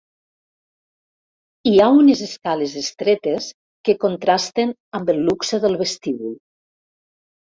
Hi ha unes escales estretes que contrasten amb el luxe del vestíbul.